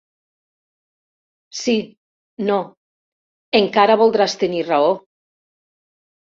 Sí, no: encara voldràs tenir raó!